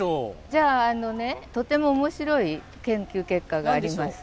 じゃああのねとても面白い研究結果があります。